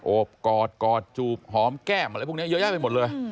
โอบกอดกอดจูบหอมแก้มอะไรพวกนี้เยอะแยะไปหมดเลย